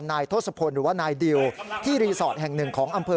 นายทศพลหรือว่านายดิวที่รีสอร์ทแห่งหนึ่งของอำเภอ